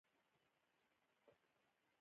کرکټ د انګلستان يوه پخوانۍ بازي ده.